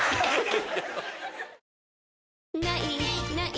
「ない！ない！